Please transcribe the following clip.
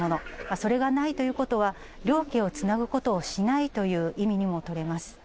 それがないということは、両家をつなぐことをしないという意味にも取れます。